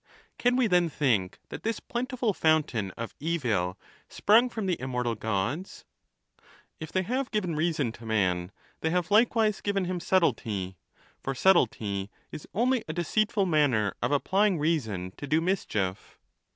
Can we, then, think that this plentiful fountain of evil sprung from the immortal Gods ? If they iave given reason to man, they have likewise given him subtlety, for subtlety is only a deceitful manner of applying reason to do mischief.